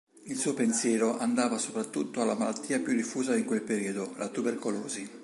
Il suo pensiero andava soprattutto alla malattia più diffusa il quel periodo: la tubercolosi.